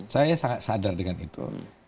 saya sangat sadar dengan itu